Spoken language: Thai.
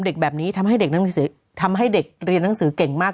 เด็กแบบนี้ทำให้เด็กทำให้เด็กเรียนหนังสือเก่งมาก